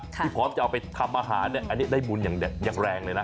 ที่พร้อมจะเอาไปทำอาหารอันนี้ได้บุญอย่างแรงเลยนะ